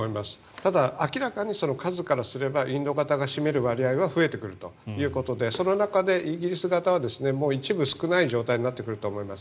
ただ、明らかに数からすればインド型が占める割合は増えてくるということでその中でイギリス型は一部少ない状態になってくると思います。